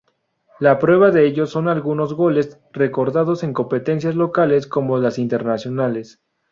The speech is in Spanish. La prueba de ello son algunos goles recordados en competencias locales como las internacionales.